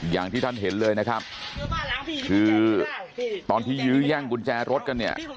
อย่างที่ท่านเห็นเลยนะครับคือตอนที่ยื้อแย่งกุญแจรถกันเนี่ย